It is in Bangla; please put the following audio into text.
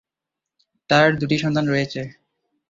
তার দুটি সন্তান রয়েছে।